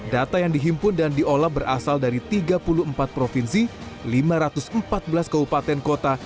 data yang dihimpun dan diolah berasal dari tiga puluh empat provinsi lima ratus empat belas kabupaten kota